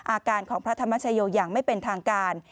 อาการของพระธรรมชโยอย่างไม่เป็นทางการ